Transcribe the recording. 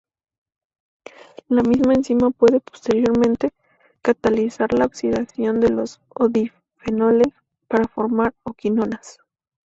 La misma enzima puede, posteriormente, catalizar la oxidación de los O-difenoles para formar "O"-quinonas.